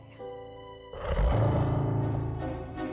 jangan halangi aku harimau